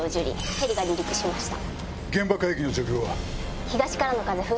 ヘリが離陸しました。